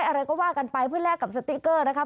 ๑๐๐๒๐๐อะไรก็ว่ากันไปเพื่อนแรกกับสติ๊กเกอร์นะคะ